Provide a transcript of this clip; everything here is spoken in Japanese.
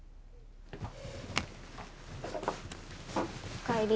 ☎お帰り。